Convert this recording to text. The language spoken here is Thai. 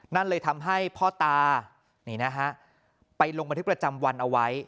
นั่นเลยทำให้พ่อตานี่นะฮะไปลงบันทึกประจำวันเอาไว้